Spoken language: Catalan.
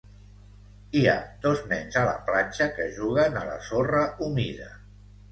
Hi ha dos nens a la platja que juguen a la sorra humida.